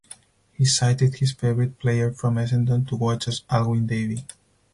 He cited his favourite player from Essendon to watch as Alwyn Davey.